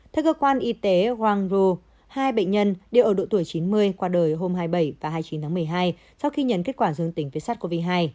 theo cơ quan y tế juan rou hai bệnh nhân đều ở độ tuổi chín mươi qua đời hôm hai mươi bảy và hai mươi chín tháng một mươi hai sau khi nhận kết quả dương tính với sars cov hai